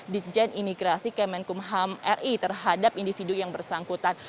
ditjen imigrasi kemenkumham ri terhadap individu yang bersangkutan